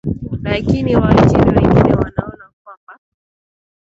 lakini waajiri wengine wanaona kwamba